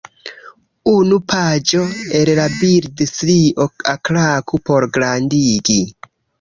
Unu paĝo el la bildstrio - alklaku por grandigi.